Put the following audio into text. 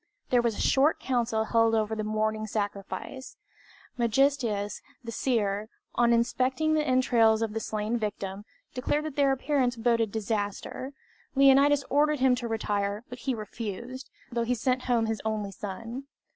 There was a short council held over the morning sacrifice. Megistias, the seer, on inspecting the entrails of the slain victim, declared that their appearance boded disaster. Leonidas ordered him to retire, but he refused, though he sent home his only son.